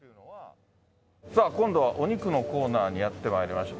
さあ、今度はお肉のコーナーにやってまいりました。